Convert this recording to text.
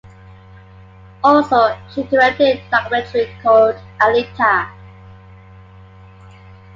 Also she directed a documentary called Anita.